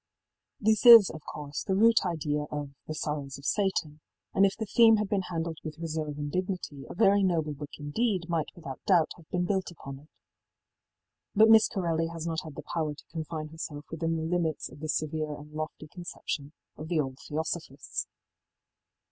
í This is, of course, the root idea of ëThe Sorrows of Satan,í and if the theme had been handled with reserve and dignity a very noble book indeed might without doubt have been built upon it. But Miss Corelli has not had the power to confine herself within the limits of the severe and lofty conception of the old Theosophists.